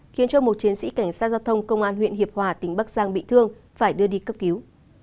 khiến cho một chiến sĩ cảnh sát giao thông công an huyện hiệp hòa tỉnh bắc giang bị thương phải đưa đi cấp cứu